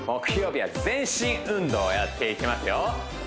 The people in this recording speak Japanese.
木曜日は全身運動やっていきますよ